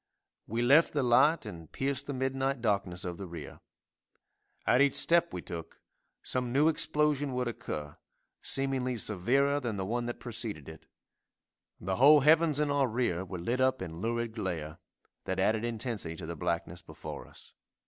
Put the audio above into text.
We left the light and pierced the midnight darkness of the rear. At each step we took some new explosion would occur, seemingly severer than the one that preceded it; the whole heavens in our rear were lit up in lurid glare, that added intensity to the blackness before us.